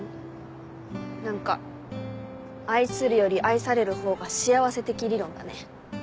何か愛するより愛されるほうが幸せ的理論だね。